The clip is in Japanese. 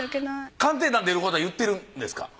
「鑑定団」出ること言ってるんですか？